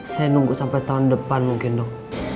saya nunggu sampe tahun depan mungkin dok